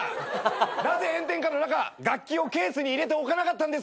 なぜ炎天下の中楽器をケースに入れておかなかったんですか？